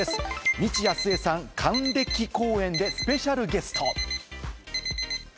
未知さん、還暦公演でスペシャルゲスト。